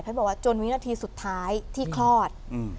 บอกว่าจนวินาทีสุดท้ายที่คลอด